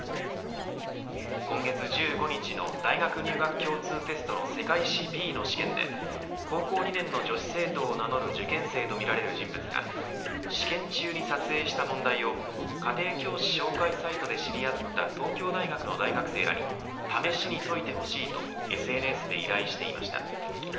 今月１５日の大学入学共通テストの世界史Ｂの試験で高校２年の女子生徒を名乗る受験生とみられる人物が試験中に撮影した問題を家庭教師紹介サイトで知り合った東京大学の大学生らに試しに解いてほしいとＳＮＳで依頼していました。